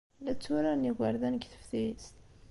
La tturaren yigerdan deg teftist?